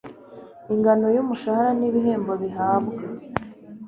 Ingano y umushahara n ibihembo bihabwa